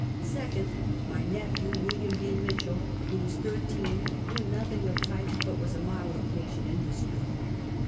Second, my nephew, William B. Mitchell, who was thirteen, knew nothing of types, but was a model of patient industry.